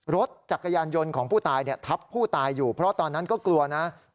รถจักรยานยนต์ของผู้ตายทับผู้ตายอยู่เพราะตอนนั้นก็กลัวนะ